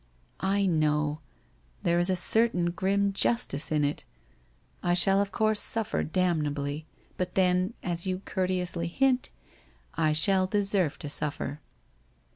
' I know. There is a certain grim justice in it. I shall of course suffer damnably, but then, as you cour teously hint, I shall deserve to suffer.'